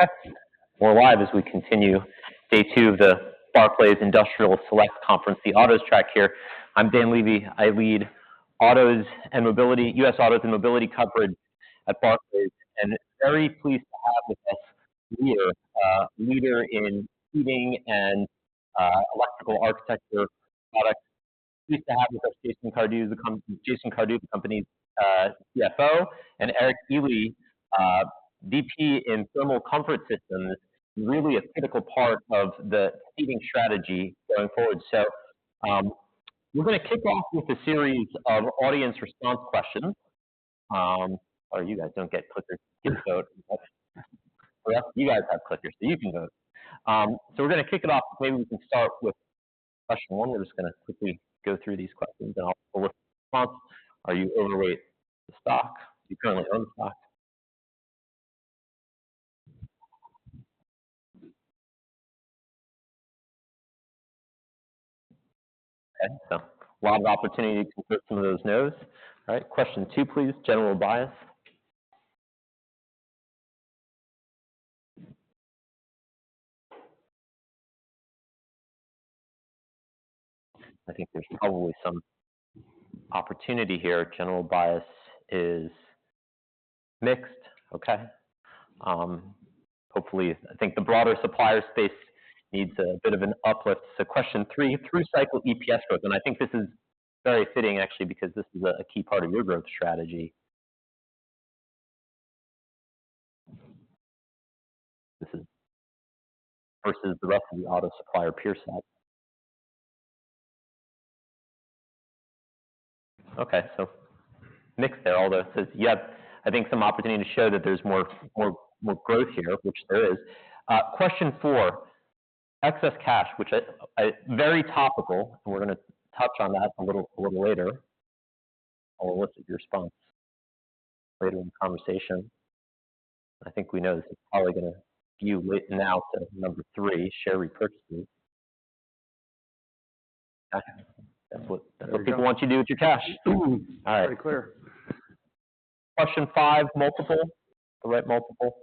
Okay, we're live as we continue day two of the Barclays Industrial Select Conference, the auto track here. I'm Dan Levy. I lead U.S. autos and mobility coverage at Barclays, and very pleased to have with us Lear, a leader in heating and electrical architecture products. Pleased to have with us Jason Cardew, the company's CFO, and Erik Elie, VP in thermal comfort systems, really a critical part of the seating strategy going forward. So we're going to kick off with a series of audience response questions. Sorry, you guys don't get clickers to get to vote. For us, you guys have clickers, so you can vote. So we're going to kick it off. Maybe we can start with question one. We're just going to quickly go through these questions, and I'll pull a response. Are you overweight the stock? Do you currently own the stock? Okay, so a lot of opportunity to convert some of those no's. All right, question two, please. General bias? I think there's probably some opportunity here. General bias is mixed, okay? Hopefully, I think the broader supplier space needs a bit of an uplift. So question three, through-cycle EPS growth. And I think this is very fitting, actually, because this is a key part of your growth strategy versus the rest of the auto supplier peer set. Okay, so mixed there, although it says you have, I think, some opportunity to show that there's more growth here, which there is. Question four, excess cash, which is very topical, and we're going to touch on that a little later. I'll elicit your response later in the conversation. I think we know this is probably going to skew now to number three, share repurchases. That's what people want you to do with your cash. Ooh, very clear. All right. Question five, multiple? The right multiple?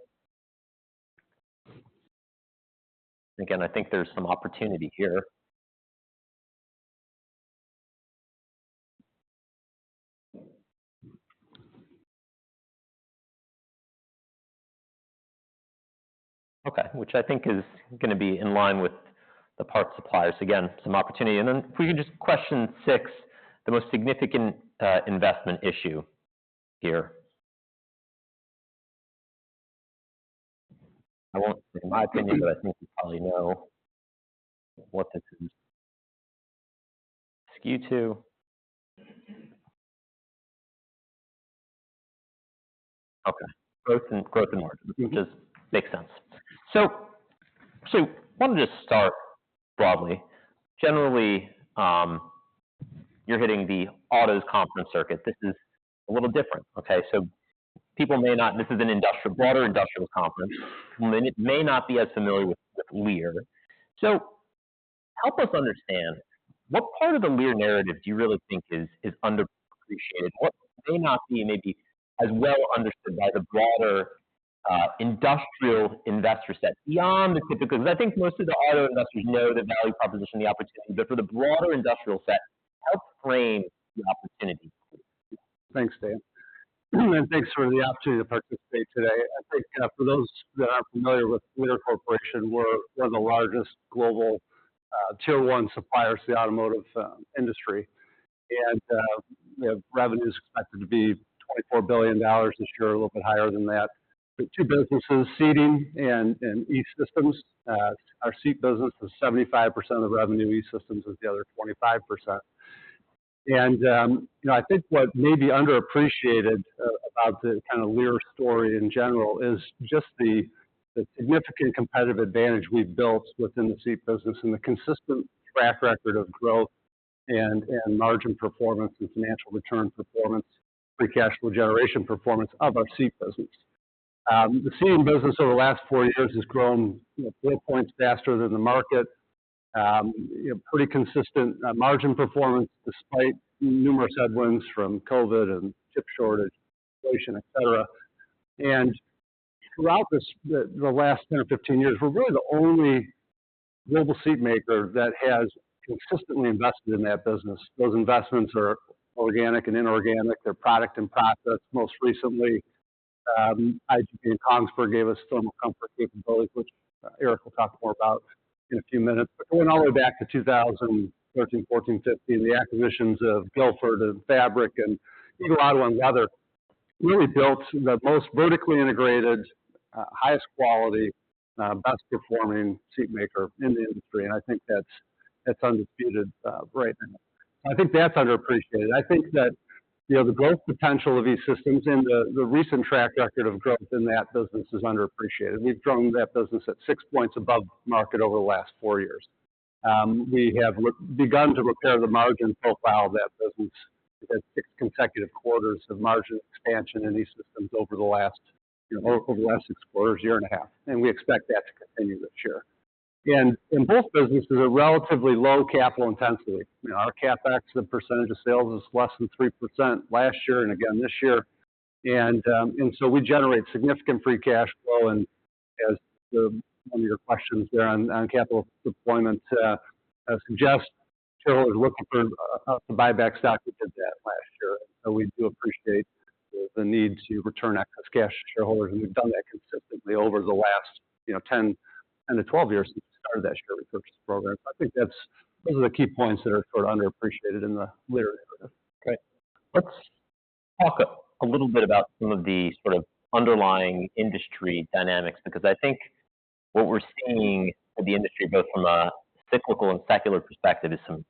Again, I think there's some opportunity here. Okay, which I think is going to be in line with the part suppliers. Again, some opportunity. And then if we can just question six, the most significant investment issue here. I won't say my opinion, but I think you probably know what this is. Skew two. Okay, growth and margin, which just makes sense. So I want to just start broadly. Generally, you're hitting the autos conference circuit. This is a little different, okay? So people may not. This is a broader industrial conference. People may not be as familiar with Lear. So help us understand, what part of the Lear narrative do you really think is underappreciated? What may not be maybe as well understood by the broader industrial investor set beyond the typical? Because I think most of the auto investors know the value proposition, the opportunity, but for the broader industrial set, help frame the opportunity. Thanks, Dan. And thanks for the opportunity to participate today. I think for those that aren't familiar with Lear Corporation, we're one of the largest global Tier 1 suppliers to the automotive industry, and revenue is expected to be $24 billion this year, a little bit higher than that. Two businesses, Seating and E-Systems. Our seat business is 75% of revenue. E-Systems is the other 25%. And I think what may be underappreciated about the kind of Lear story in general is just the significant competitive advantage we've built within the seat business and the consistent track record of growth and margin performance and financial return performance, free cash flow generation performance of our seat business. The Seating business over the last four years has grown four points faster than the market, pretty consistent margin performance despite numerous headwinds from COVID and chip shortage, inflation, etc. Throughout the last 10 or 15 years, we're really the only global seat maker that has consistently invested in that business. Those investments are organic and inorganic. They're product and process. Most recently, IGB and Kongsberg gave us thermal comfort capabilities, which Eric will talk more about in a few minutes. But it went all the way back to 2013, 2014, 2015. The acquisitions of Guilford and Fabric and Eagle Ottawa really built the most vertically integrated, highest quality, best performing seat maker in the industry, and I think that's undisputed right now. So I think that's underappreciated. I think that the growth potential of E-Systems and the recent track record of growth in that business is underappreciated. We've grown that business at six points above market over the last four years. We have begun to repair the margin profile of that business. We've had six consecutive quarters of margin expansion in E-Systems over the last six quarters, year and a half, and we expect that to continue this year. In both businesses, they're relatively low capital intensity. Our CapEx, the percentage of sales, is less than 3% last year and again this year. So we generate significant free cash flow. As one of your questions there on capital deployment suggests, shareholders are looking for a buyback stock that did that last year. We do appreciate the need to return excess cash to shareholders, and we've done that consistently over the last 10-12 years since we started that share repurchase program. I think those are the key points that are sort of underappreciated in the Lear narrative. Okay. Let's talk a little bit about some of the sort of underlying industry dynamics, because I think what we're seeing in the industry, both from a cyclical and secular perspective, is some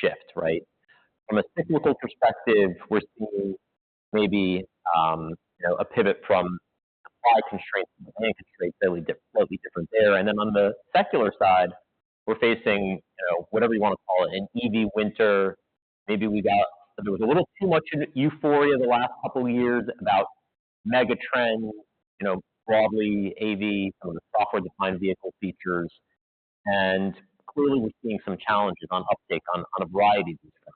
shift, right? From a cyclical perspective, we're seeing maybe a pivot from supply constraints to demand constraints, slightly different there. And then on the secular side, we're facing whatever you want to call it, an EV winter. Maybe there was a little too much euphoria the last couple of years about mega trends, broadly AV, some of the software-defined vehicle features. And clearly, we're seeing some challenges on uptake on a variety of these stuff.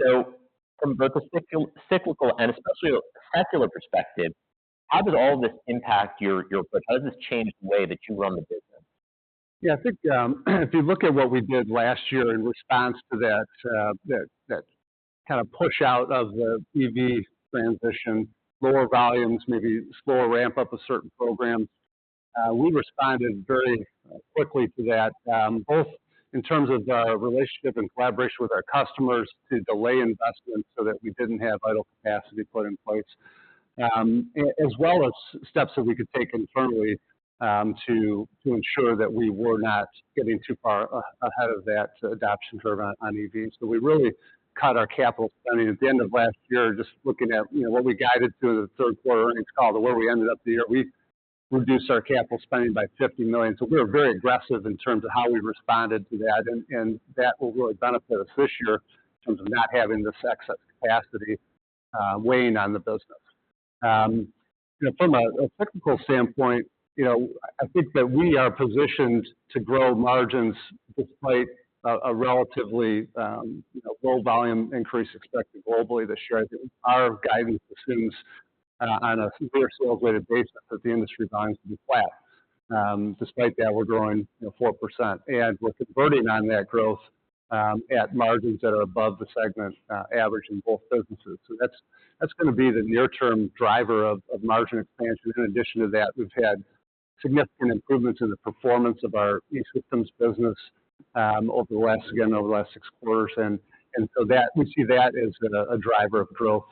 So from both a cyclical and especially a secular perspective, how does all of this impact your approach? How does this change the way that you run the business? Yeah, I think if you look at what we did last year in response to that kind of push out of the EV transition, lower volumes, maybe slower ramp-up of certain programs, we responded very quickly to that, both in terms of our relationship and collaboration with our customers to delay investment so that we didn't have vital capacity put in place, as well as steps that we could take internally to ensure that we were not getting too far ahead of that adoption curve on EVs. So we really cut our capital spending. At the end of last year, just looking at what we guided through the third quarter earnings call to where we ended up the year, we reduced our capital spending by $50 million. So we were very aggressive in terms of how we responded to that, and that will really benefit us this year in terms of not having this excess capacity weighing on the business. From a technical standpoint, I think that we are positioned to grow margins despite a relatively low volume increase expected globally this year. I think our guidance assumes on a Lear sales-weighted basis that the industry volumes will be flat. Despite that, we're growing 4%, and we're converting on that growth at margins that are above the segment average in both businesses. So that's going to be the near-term driver of margin expansion. In addition to that, we've had significant improvements in the performance of our E-Systems business over the last, again, over the last six quarters. And so we see that as a driver of growth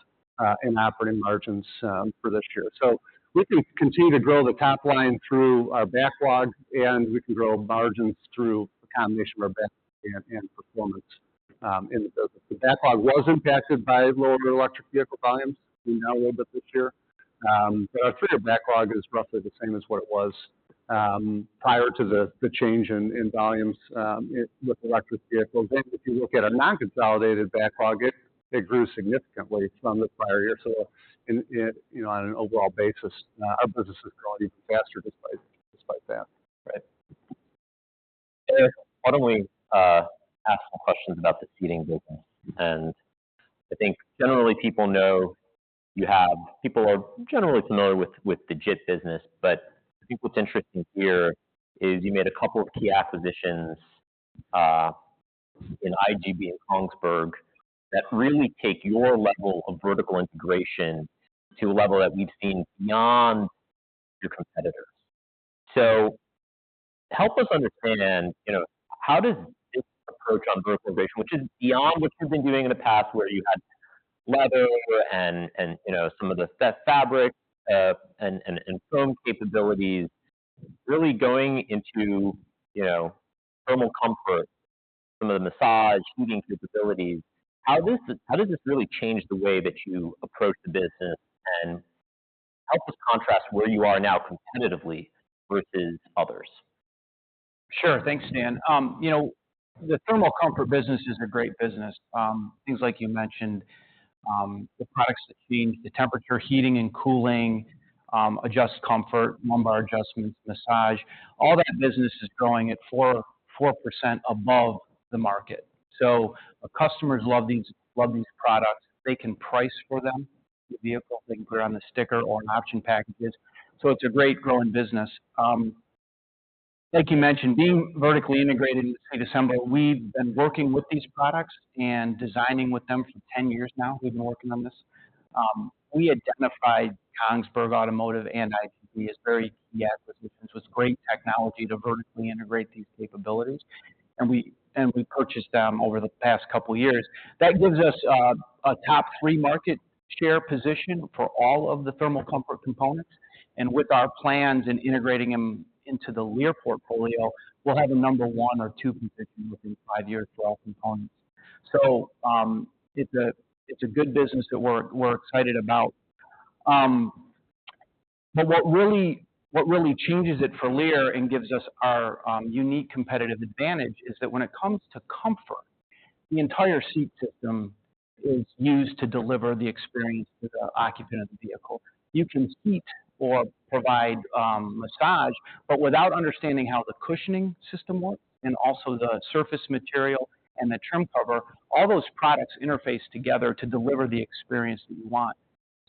in operating margins for this year. So we can continue to grow the top line through our backlog, and we can grow margins through a combination of our backlog and performance in the business. The backlog was impacted by lower electric vehicle volumes. We know a little bit this year. But our three-year backlog is roughly the same as what it was prior to the change in volumes with electric vehicles. And if you look at a non-consolidated backlog, it grew significantly from the prior year. So on an overall basis, our business has grown even faster despite that. Right. Eric, why don't we ask some questions about the seating business? I think generally, people are generally familiar with the JIT business, but I think what's interesting here is you made a couple of key acquisitions in IGB in Kongsberg that really take your level of vertical integration to a level that we've seen beyond your competitors. So help us understand, how does this approach on vertical integration, which is beyond what you've been doing in the past where you had leather and some of the fabric and foam capabilities, really going into thermal comfort, some of the massage, heating capabilities, how does this really change the way that you approach the business and help us contrast where you are now competitively versus others? Sure. Thanks, Dan. The thermal comfort business is a great business. Things like you mentioned, the products that change the temperature, heating and cooling, adjust comfort, lumbar adjustments, massage, all that business is growing at 4% above the market. So customers love these products. They can price for them the vehicles. They can put it on the sticker or in option packages. So it's a great growing business. Like you mentioned, being vertically integrated in the Seating, we've been working with these products and designing with them for 10 years now. We've been working on this. We identified Kongsberg Automotive and IGB as very key acquisitions with great technology to vertically integrate these capabilities, and we purchased them over the past couple of years. That gives us a top three market share position for all of the thermal comfort components. With our plans and integrating them into the Lear portfolio, we'll have a number one or two position within five years for all components. It's a good business that we're excited about. What really changes it for Lear and gives us our unique competitive advantage is that when it comes to comfort, the entire seat system is used to deliver the experience to the occupant of the vehicle. You can heat or provide massage, but without understanding how the cushioning system works and also the surface material and the trim cover, all those products interface together to deliver the experience that you want.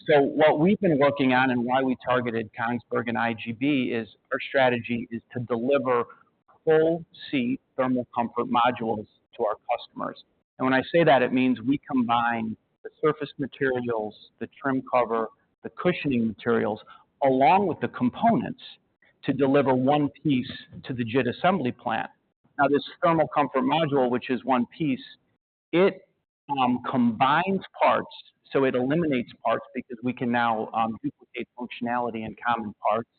What we've been working on and why we targeted Kongsberg and IGB is our strategy is to deliver full seat thermal comfort modules to our customers. When I say that, it means we combine the surface materials, the trim cover, the cushioning materials, along with the components to deliver one piece to the JIT assembly plant. Now, this thermal comfort module, which is one piece, it combines parts. So it eliminates parts because we can now duplicate functionality in common parts.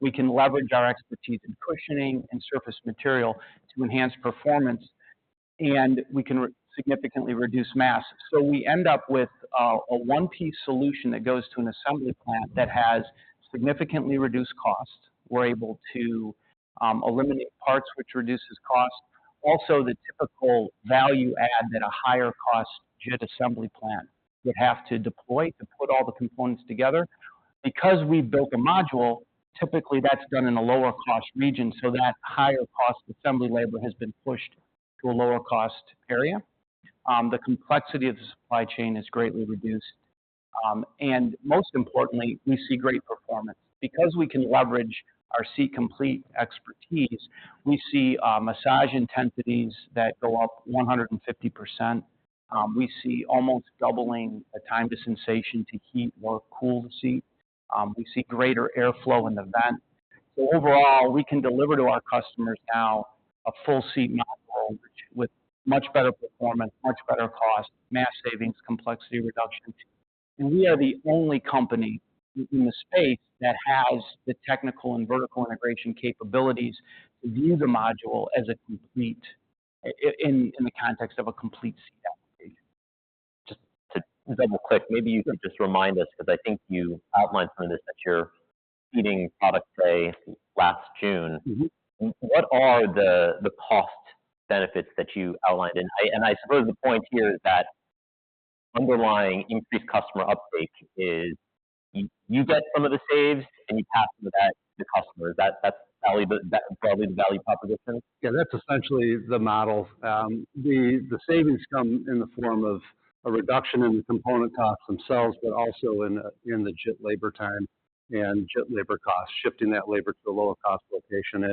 We can leverage our expertise in cushioning and surface material to enhance performance, and we can significantly reduce mass. So we end up with a one-piece solution that goes to an assembly plant that has significantly reduced costs. We're able to eliminate parts, which reduces costs, also the typical value add that a higher-cost JIT assembly plant would have to deploy to put all the components together. Because we built a module, typically that's done in a lower-cost region, so that higher-cost assembly labor has been pushed to a lower-cost area. The complexity of the supply chain is greatly reduced. Most importantly, we see great performance. Because we can leverage our complete seat expertise, we see massage intensities that go up 150%. We see almost doubling the time to sensation to heat or cool the seat. We see greater airflow in the vent. Overall, we can deliver to our customers now a full seat module with much better performance, much better cost, mass savings, complexity reduction. And we are the only company in the space that has the technical and vertical integration capabilities to view the module in the context of a complete seat application. Just to double-click, maybe you could just remind us because I think you outlined some of this at your Seating product day last June. What are the cost benefits that you outlined? And I suppose the point here is that underlying increased customer uptake is you get some of the saves, and you pass some of that to the customers. That's broadly the value proposition? Yeah, that's essentially the model. The savings come in the form of a reduction in the component costs themselves, but also in the JIT labor time and JIT labor costs, shifting that labor to a lower-cost location.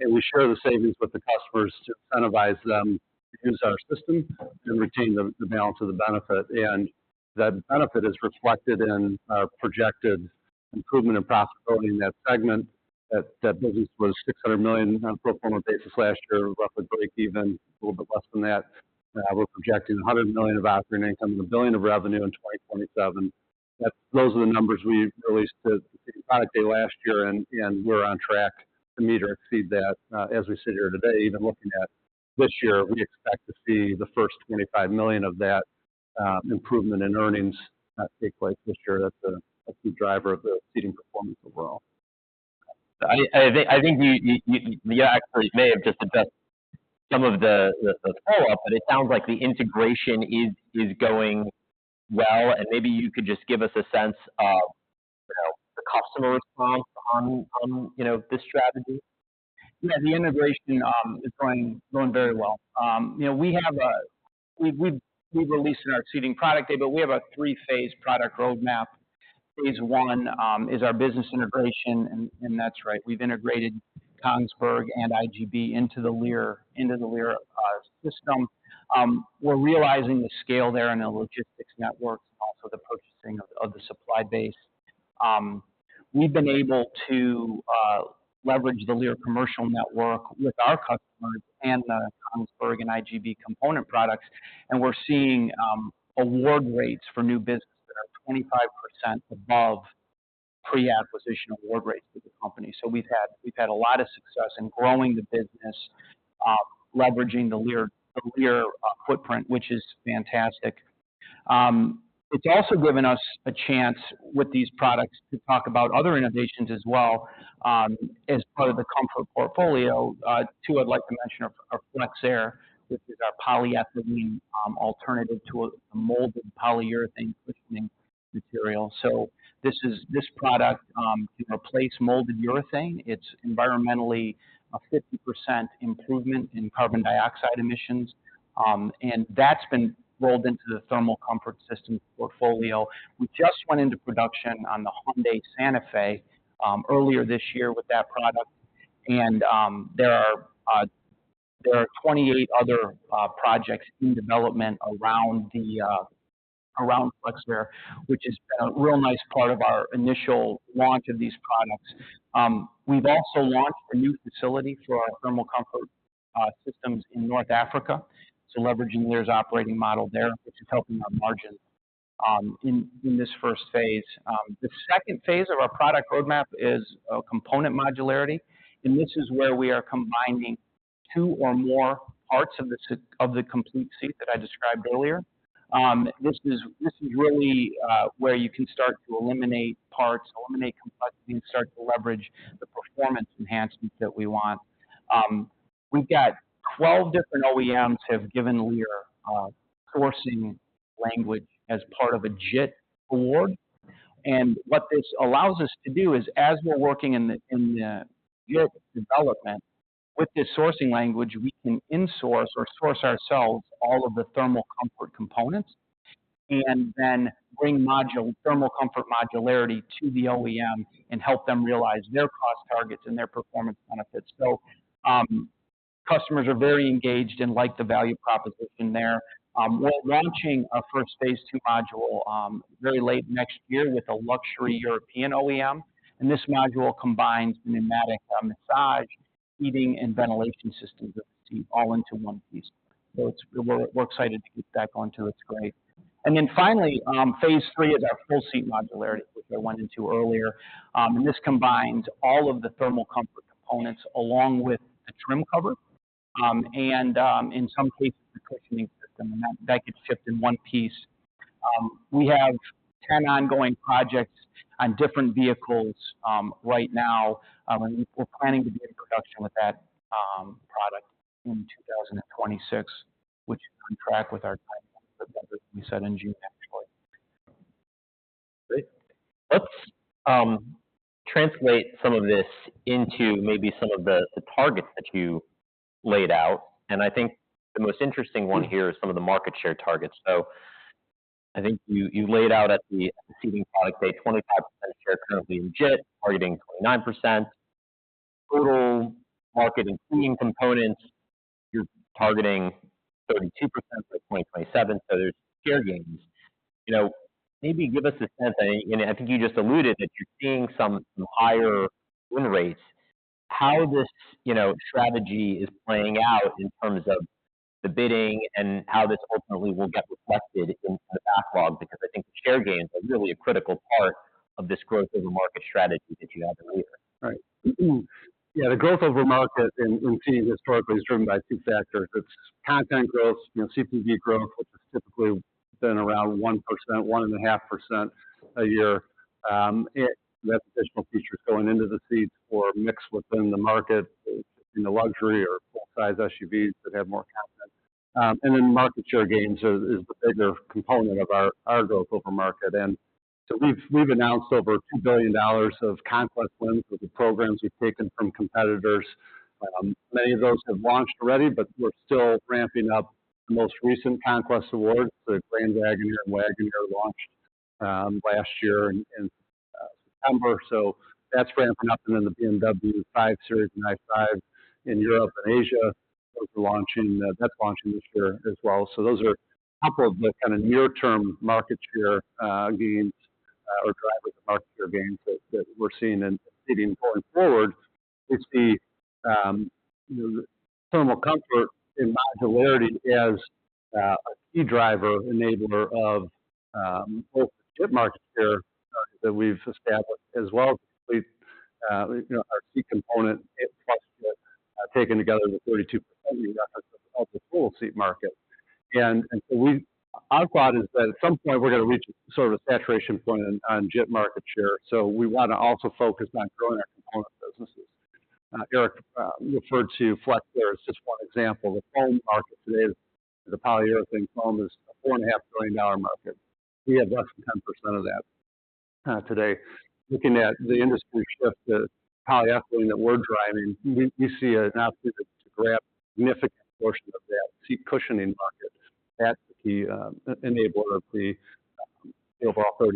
And we share the savings with the customers to incentivize them to use our system and retain the balance of the benefit. And that benefit is reflected in our projected improvement in profitability in that segment. That business was $600 million on a pro forma basis last year, roughly break even, a little bit less than that. We're projecting $100 million of operating income and $1 billion of revenue in 2027. Those are the numbers we released at the seating product day last year, and we're on track to meet or exceed that as we sit here today. Even looking at this year, we expect to see the first $25 million of that improvement in earnings take place this year. That's a key driver of the Seating performance overall. I think you actually may have just addressed some of the follow-up, but it sounds like the integration is going well. Maybe you could just give us a sense of the customer response on this strategy? Yeah, the integration is going very well. We've released in our seating product day, but we have a three-phase product roadmap. Phase one is our business integration, and that's right. We've integrated Kongsberg and IGB into the Lear system. We're realizing the scale there in the logistics networks and also the purchasing of the supply base. We've been able to leverage the Lear commercial network with our customers and the Kongsberg and IGB component products, and we're seeing award rates for new business that are 25% above pre-acquisition award rates for the company. So we've had a lot of success in growing the business, leveraging the Lear footprint, which is fantastic. It's also given us a chance with these products to talk about other innovations as well as part of the comfort portfolio. Two, I'd like to mention are FlexAir, which is our polyethylene alternative to a molded polyurethane cushioning material. So this product can replace molded urethane. It's environmentally a 50% improvement in carbon dioxide emissions, and that's been rolled into the thermal comfort system portfolio. We just went into production on the Hyundai Santa Fe earlier this year with that product, and there are 28 other projects in development around FlexAir, which has been a real nice part of our initial launch of these products. We've also launched a new facility for our thermal comfort systems in North Africa. So leveraging Lear's operating model there, which is helping our margins in this first phase. The second phase of our product roadmap is component modularity, and this is where we are combining two or more parts of the complete seat that I described earlier. This is really where you can start to eliminate parts, eliminate complexity, and start to leverage the performance enhancements that we want. We've got 12 different OEMs have given Lear sourcing language as part of a JIT award. And what this allows us to do is, as we're working in the JIT development with this sourcing language, we can insource or source ourselves all of the thermal comfort components and then bring thermal comfort modularity to the OEM and help them realize their cost targets and their performance benefits. So customers are very engaged and like the value proposition there. We're launching a first phase two module very late next year with a luxury European OEM, and this module combines the pneumatic massage, heating, and ventilation systems of the seat all into one piece. So we're excited to get that going too. It's great. Then finally, phase three is our full seat modularity, which I went into earlier. This combines all of the thermal comfort components along with the trim cover and, in some cases, the cushioning system. That gets shipped in one piece. We have 10 ongoing projects on different vehicles right now, and we're planning to be in production with that product in 2026, which is on track with our timeline for February. We said in June, actually. Great. Let's translate some of this into maybe some of the targets that you laid out. I think the most interesting one here is some of the market share targets. I think you laid out at the seating product day, 25% share currently in JIT, targeting 29%. Total market including components, you're targeting 32% for 2027. There's share gains. Maybe give us a sense and I think you just alluded that you're seeing some higher win rates. How this strategy is playing out in terms of the bidding and how this ultimately will get reflected in the backlog because I think the share gains are really a critical part of this growth-over-market strategy that you have in Lear. Right. Yeah, the growth-over-market in seating historically is driven by two factors. It's content growth, CPV growth, which has typically been around 1%, 1.5% a year. That's additional features going into the seats or mixed within the market in the luxury or full-size SUVs that have more content. And then market share gains is the bigger component of our growth-over-market. And so we've announced over $2 billion of conquest wins with the programs we've taken from competitors. Many of those have launched already, but we're still ramping up the most recent conquest awards. The Grand Wagoneer and Wagoneer launched last year in September. So that's ramping up. And then the BMW 5 Series and i5 in Europe and Asia, that's launching this year as well. So those are a couple of the kind of near-term market share gains or drivers of market share gains that we're seeing in seating going forward. We see thermal comfort in modularity as a key driver enabler of both the JIT market share that we've established as well as our seat component plus JIT taken together into 32% of the total seat market. And so our thought is that at some point, we're going to reach sort of a saturation point on JIT market share. So we want to also focus on growing our component businesses. Eric referred to FlexAir as just one example. The foam market today, the polyurethane foam, is a $4.5 billion market. We have less than 10% of that today. Looking at the industry shift to polyethylene that we're driving, we see an opportunity to grab a significant portion of that seat cushioning market. That's the key enabler of the overall 32%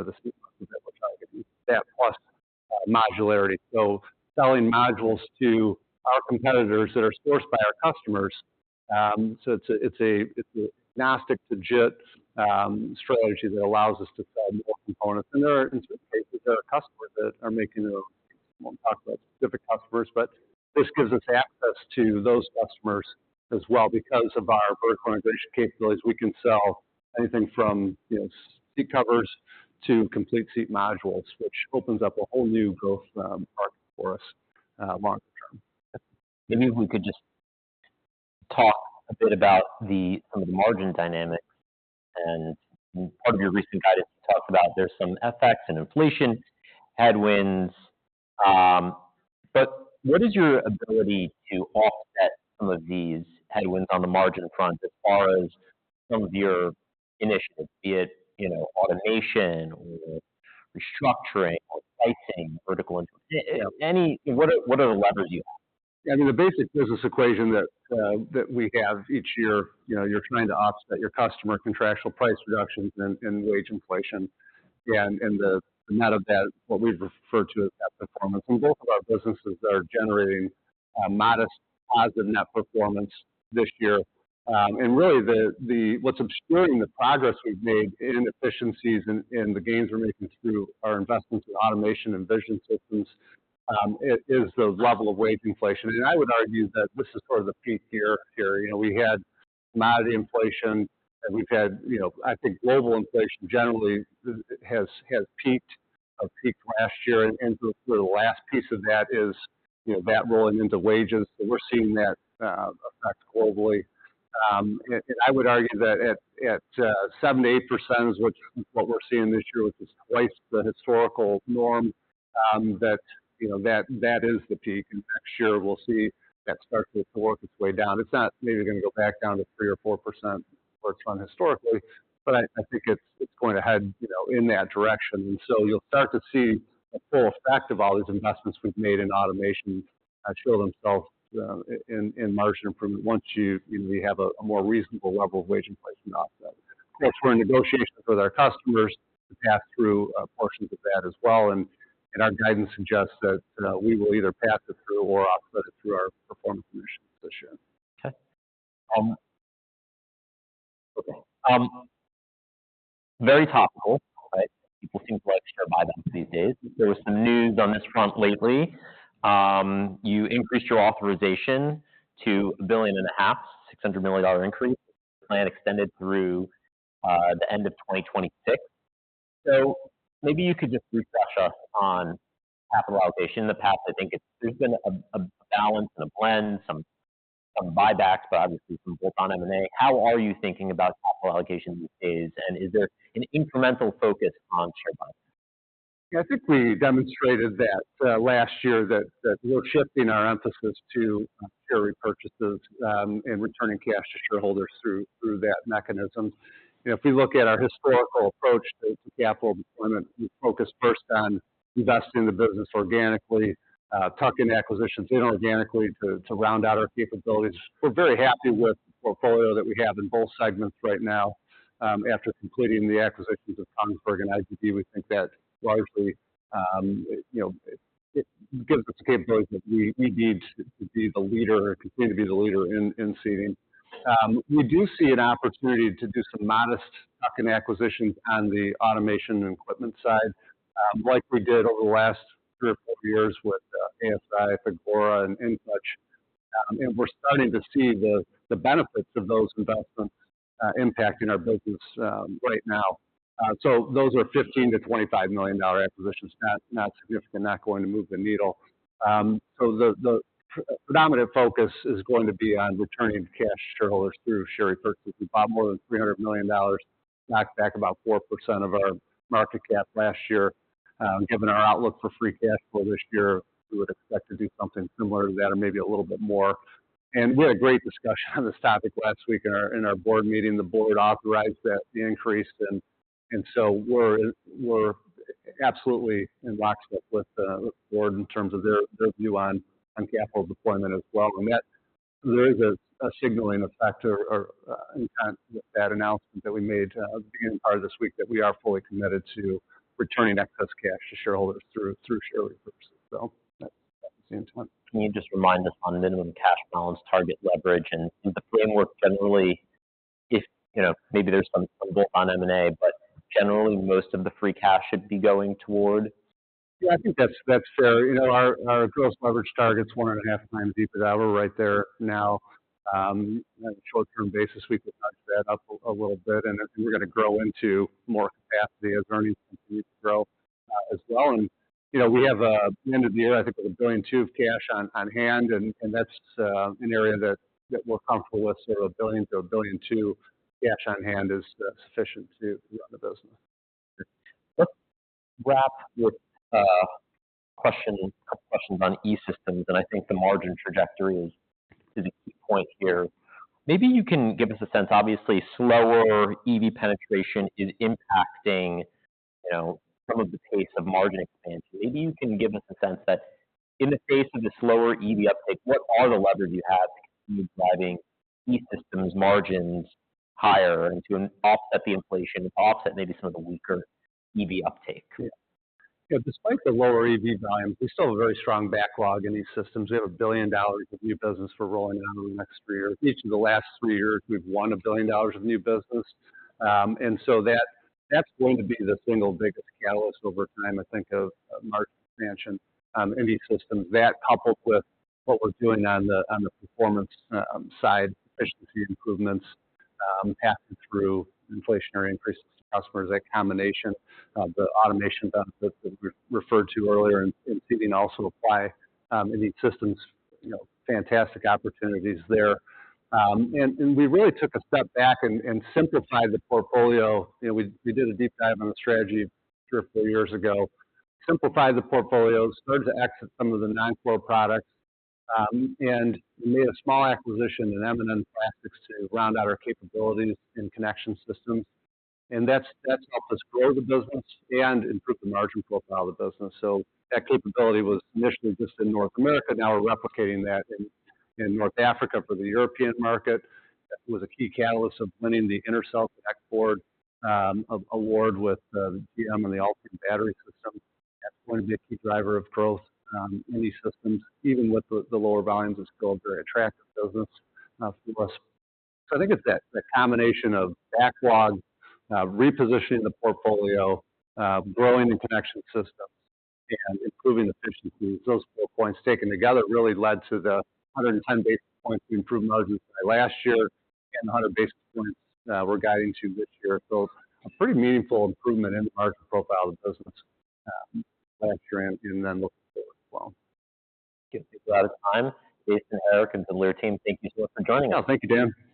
of the seat market that we're targeting, that plus modularity. So selling modules to our competitors that are sourced by our customers so it's an agnostic-to-JIT strategy that allows us to sell more components. And in certain cases, there are customers that are making their own seats. We won't talk about specific customers, but this gives us access to those customers as well because of our vertical integration capabilities. We can sell anything from seat covers to complete seat modules, which opens up a whole new growth market for us longer term. Maybe if we could just talk a bit about some of the margin dynamics. In part of your recent guidance, you talked about there's some effects and inflation, headwinds. What is your ability to offset some of these headwinds on the margin front as far as some of your initiatives, be it automation or restructuring or pricing, vertical? What are the levers you have? Yeah, I mean, the basic business equation that we have each year, you're trying to offset your customer contractual price reductions and wage inflation. And the net of that, what we've referred to as net performance. And both of our businesses are generating modest positive net performance this year. And really, what's obscuring the progress we've made in efficiencies and the gains we're making through our investments in automation and vision systems is the level of wage inflation. And I would argue that this is sort of the peak year. We had commodity inflation, and we've had, I think, global inflation generally has peaked last year. And sort of the last piece of that is that rolling into wages. So we're seeing that affect globally. And I would argue that at 78% is what we're seeing this year, which is twice the historical norm. That is the peak. Next year, we'll see that start to work its way down. It's not maybe going to go back down to 3%-4% where it's run historically, but I think it's going ahead in that direction. And so you'll start to see the full effect of all these investments we've made in automation show themselves in margin improvement once we have a more reasonable level of wage inflation offset. Of course, we're in negotiations with our customers to pass through portions of that as well. Our guidance suggests that we will either pass it through or offset it through our performance initiatives this year. Okay. Okay. Very topical, right? People seem to like share buybacks these days. There was some news on this front lately. You increased your authorization to $1.5 billion, $600 million increase. Your plan extended through the end of 2026. So maybe you could just refresh us on capital allocation. In the past, I think there's been a balance and a blend, some buybacks, but obviously some bolt-on M&A. How are you thinking about capital allocation these days, and is there an incremental focus on share buybacks? Yeah, I think we demonstrated that last year that we're shifting our emphasis to share repurchases and returning cash to shareholders through that mechanism. If we look at our historical approach to capital deployment, we focused first on investing the business organically, tucking acquisitions in organically to round out our capabilities. We're very happy with the portfolio that we have in both segments right now. After completing the acquisitions of Kongsberg and IGB, we think that largely it gives us the capabilities that we need to be the leader or continue to be the leader in seating. We do see an opportunity to do some modest tuck-in acquisitions on the automation and equipment side like we did over the last three or four years with ASI, Fagora, and InTouch. And we're starting to see the benefits of those investments impacting our business right now. So those are $15 million-$25 million acquisitions, not significant, not going to move the needle. So the predominant focus is going to be on returning cash to shareholders through share repurchases. We bought back more than $300 million, about 4% of our market cap last year. Given our outlook for free cash flow this year, we would expect to do something similar to that or maybe a little bit more. And we had a great discussion on this topic last week in our board meeting. The board authorized the increase. And so we're absolutely in lockstep with the board in terms of their view on capital deployment as well. And there is a signaling effect with that announcement that we made the beginning part of this week that we are fully committed to returning excess cash to shareholders through share repurchases. So that's the same time. Can you just remind us on minimum cash balance target leverage and the framework generally? Maybe there's some bolt-on M&A, but generally, most of the free cash should be going toward. Yeah, I think that's fair. Our gross leverage target's 1.5x EBITDA. We're right there now. On a short-term basis, we could nudge that up a little bit, and we're going to grow into more capacity as earnings continue to grow as well. We have end of the year, I think, with $1.2 billion of cash on hand. That's an area that we're comfortable with. Sort of $1 billion-$1.2 billion cash on hand is sufficient to run the business. Let's wrap with a couple of questions on e-systems. I think the margin trajectory is a key point here. Maybe you can give us a sense. Obviously, slower EV penetration is impacting some of the pace of margin expansion. Maybe you can give us a sense that in the face of the slower EV uptake, what are the levers you have to continue driving e-systems margins higher and to offset the inflation, offset maybe some of the weaker EV uptake? Yeah. Yeah, despite the lower EV volumes, we still have a very strong backlog in E-Systems. We have $1 billion of new business for rolling out over the next three years. Each of the last three years, we've won $1 billion of new business. And so that's going to be the single biggest catalyst over time, I think, of market expansion in E-Systems. That coupled with what we're doing on the performance side, efficiency improvements passing through inflationary increases to customers, that combination, the automation benefits that we referred to earlier in Seating also apply in these systems. Fantastic opportunities there. And we really took a step back and simplified the portfolio. We did a deep dive on the strategy three or four years ago, simplified the portfolio, started to exit some of the non-core products, and made a small acquisition in M&N Plastics to round out our capabilities in connection systems. That's helped us grow the business and improve the margin profile of the business. That capability was initially just in North America. Now we're replicating that in North Africa for the European market. That was a key catalyst of winning the Intercell Connect Board award with GM and the Ultium battery system. That's going to be a key driver of growth in E-Systems, even with the lower volumes. It's still a very attractive business for us. I think it's that combination of backlog, repositioning the portfolio, growing the connection systems, and improving efficiencies. Those four points taken together really led to the 110 basis points we improved margins by last year and the 100 basis points we're guiding to this year. So a pretty meaningful improvement in the margin profile of the business last year and then looking forward as well. Thank you. We're out of time. Jason Erickson, and the Lear team, thank you so much for joining us. Oh, thank you, Dan.